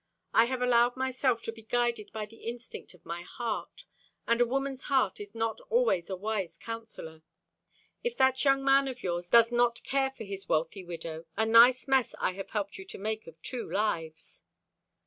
"I have allowed myself to be guided by the instinct of my heart, and a woman's heart is not always a wise counsellor. If that young man of yours does not care for his wealthy widow, a nice mess I have helped you to make of two lives."